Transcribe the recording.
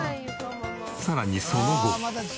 さらにその後。